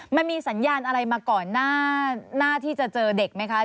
มันมีสัญญาณอะไรมาก่อนหน้าที่จะเจอเด็กไหมคะ